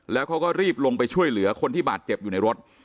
แล้วเขาก็รีบลงไปช่วยเหลือคนที่บาดเจ็บอยู่ในรถ